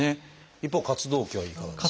一方活動期はいかがですか？